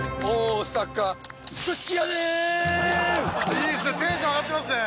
いいですね、テンション上がってますね。